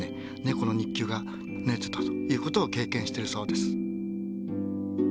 この肉球がぬれてたということを経験してるそうです。